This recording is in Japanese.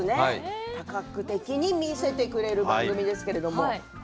多角的に見せてくれる番組です。